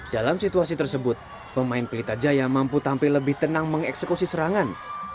dalam situasi tersebut pemain pelita jaya mampu tampil lebih tenang mengeksekusi serangan